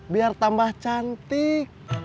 biar tambah cantik